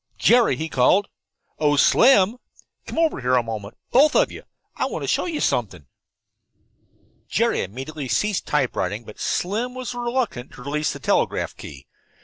"Jerry!" he called. "Oh, Slim! Come over here a moment, both of you. I want to show you something." Jerry immediately ceased typewriting, but Slim was reluctant to release the telegraph key.